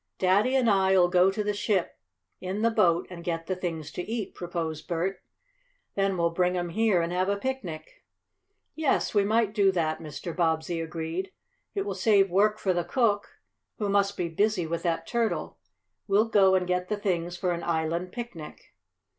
"Daddy and I'll go to the ship in the boat and get the things to eat," proposed Bert. "Then we'll bring 'em here and have a picnic." "Yes, we might do that," Mr. Bobbsey agreed. "It will save work for the cook, who must be busy with that turtle. We'll go and get the things for an island picnic."